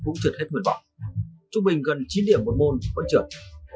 nguyên vọng trung bình gần chín điểm một môn vẫn trưởng